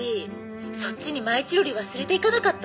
そっちにマイちろり忘れていかなかった？」